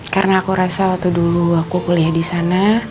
karena aku rasa waktu dulu aku kuliah disana